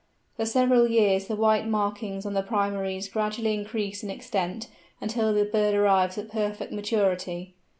For several years the white markings on the primaries gradually increase in extent until the bird arrives at perfect maturity.